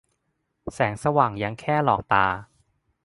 แสงสว่างยังแค่หลอกตา